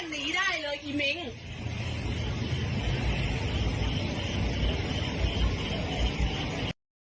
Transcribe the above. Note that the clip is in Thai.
มีคนอยู่ไหมคะ